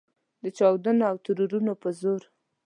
د چاودنو او ترورونو په زور.